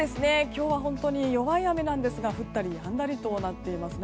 今日は弱い雨が降ったりやんだりとなっています。